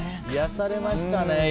癒やされましたね。